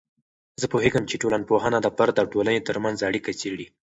زه پوهیږم چې ټولنپوهنه د فرد او ټولنې ترمنځ اړیکه څیړي.